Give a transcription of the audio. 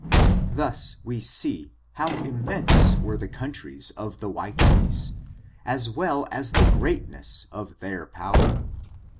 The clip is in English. Thus we see, how immense were the countries of the white race, as well as the greatness of their pow er.